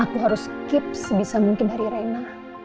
aku harus keep sebisa mungkin dari reina